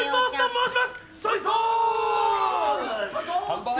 申します！